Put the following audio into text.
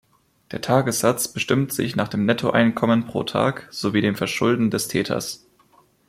Der Tagessatz bestimmt sich nach dem Nettoeinkommen pro Tag sowie dem Verschulden des Täters.